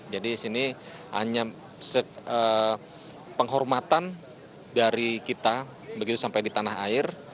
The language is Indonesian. jadi ini hanya penghormatan dari kita begitu sampai di tanah air